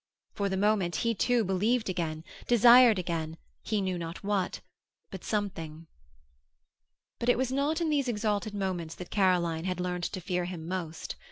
For the moment he, too, believed again, desired again, he knew not what, but something. But it was not in these exalted moments that Caroline had learned to fear him most.